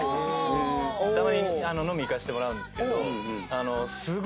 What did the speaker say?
「たまに飲み行かせてもらうんですけど」